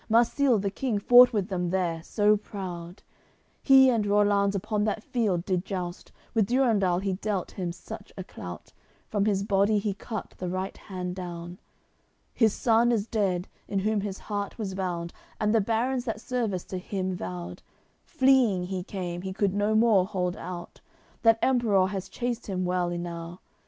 Marsile the king fought with them there, so proud; He and Rollanz upon that field did joust. With Durendal he dealt him such a clout From his body he cut the right hand down. His son is dead, in whom his heart was bound, And the barons that service to him vowed; Fleeing he came, he could no more hold out. That Emperour has chased him well enow.